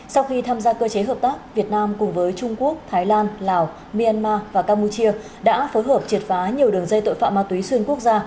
sau khi tham gia cơ chế hợp tác việt nam cùng với trung quốc thái lan lào myanmar và campuchia đã phối hợp triệt phá nhiều đường dây tội phạm ma túy xuyên quốc gia